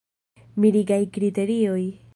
Mirigaj kriterioj.